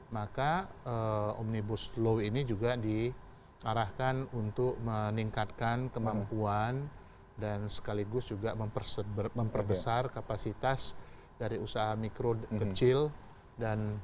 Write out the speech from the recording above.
maka omnibus law ini juga diarahkan untuk meningkatkan kemampuan dan sekaligus juga memperbesar kapasitas dari usaha mikro kecil dan